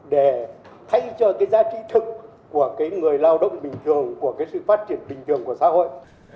để thay cho cái giá trị thực của cái người lao động bình thường của cái sự phát triển bình thường của xã hội